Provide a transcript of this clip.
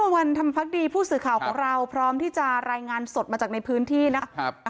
วันธรรมพักดีผู้สื่อข่าวของเราพร้อมที่จะรายงานสดมาจากในพื้นที่นะครับ